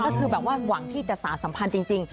ก็คือแบบว่าหวังที่จะสารสัมพันธ์จริง